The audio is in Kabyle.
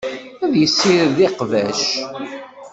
Ad yessired iqbac.